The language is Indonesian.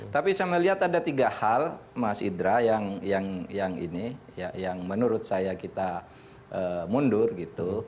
tapi saya melihat ada tiga hal mas indra yang ini yang menurut saya kita mundur gitu